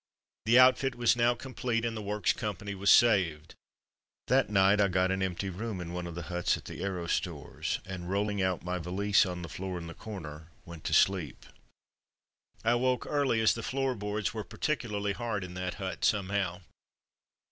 The outfit was now com plete, and the Works company was saved. That night I got an empty room in one of the huts at the aero stores, and rolling out my valise on the floor in the corner, went to sleep. The Old Guard 79 I awoke early, as the floor boards were particularly hard in that hut, somehow.